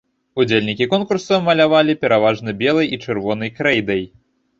Удзельнікі конкурса малявалі пераважна белай і чырвонай крэйдай.